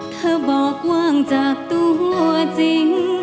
เธอบอกว่างจากตัวจริง